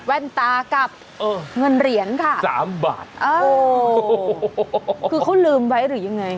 ตากับเงินเหรียญค่ะสามบาทเออคือเขาลืมไว้หรือยังไง